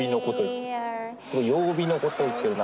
すごい曜日のことを言ってるな。